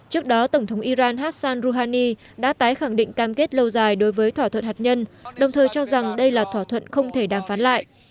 trước đó tổng thống iran hassan rouhani đã tái khẳng định cam kết lâu dài đối với thỏa thuận hạt nhân đồng thời cho rằng đây là thỏa thuận không thể đàm phán lại